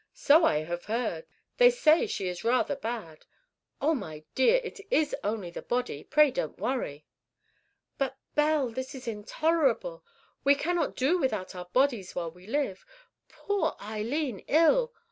"So I have heard; they say she is rather bad. Oh, my dear, it is only the body; pray don't worry!" "But, Belle, this is intolerable. We cannot do without our bodies while we live. Poor Eileen ill!